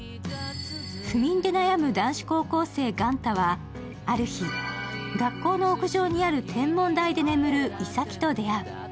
不眠で悩む男子高校生ガンタはある日、学校の屋上にある天文台で眠るイサキと出会う。